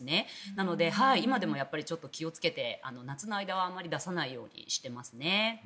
なので、今でも気をつけて夏の間はあまり出さないようにしていますね。